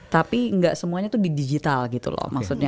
tapi nggak semuanya itu di digital gitu loh maksudnya